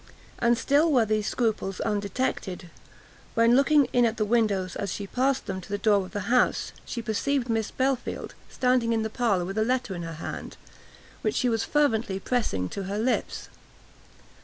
And still were these scruples undecided, when, looking in at the windows as she passed them to the door of the house, she perceived Miss Belfield standing in the parlour with a letter in her hand, which she was fervently pressing to her lips.